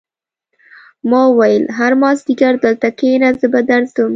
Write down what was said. ما وویل هر مازدیګر دلته کېنه زه به درځم